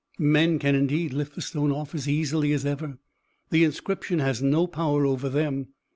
Men can indeed lift the stone off as easily as ever; the inscription has no power over them.